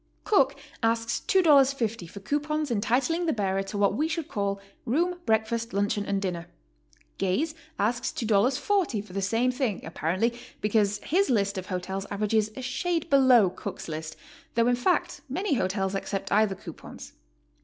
Cook asks $2.50 for coupons entitling the bearer to what we should call room, breakfast, luncheon, and dinner; Gaze asks $2.40 for the same thing, apparently because his list of hotels averages a shade below Cook's list, though in fact many hotels accept either coupons.